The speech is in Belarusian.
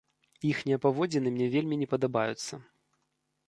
Іхнія паводзіны мне вельмі не падабаюцца.